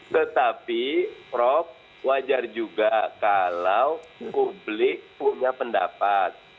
tetapi prof wajar juga kalau publik punya pendapat